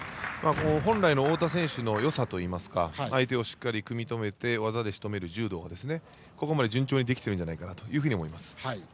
本来の太田選手のよさといいますか相手をしっかり組み止めて技でしとめる柔道がここまで順調にできていると思います。